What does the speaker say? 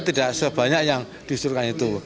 tidak sebanyak yang diusulkan itu